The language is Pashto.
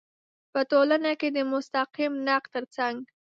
په ټولنه کې د مستقیم نقد تر څنګ